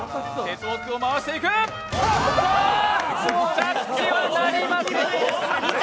着地はなりませんでした！